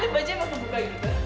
baju aku buka juga